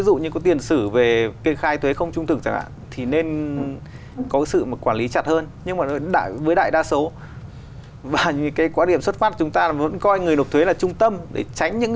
đa số và những cái quả điểm xuất phát chúng ta vẫn coi người nộp thuế là trung tâm để tránh những